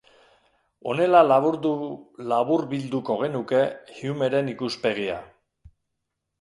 Honela laburbilduko genuke Humeren ikuspegia.